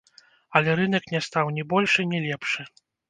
Але рынак не стаў ні большы, ні лепшы.